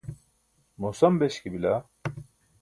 moosam beśki bila?